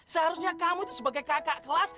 seharusnya kamu itu sebagai kakak kelas